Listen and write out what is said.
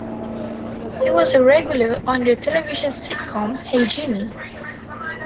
He was a regular on the television sitcom Hey, Jeannie!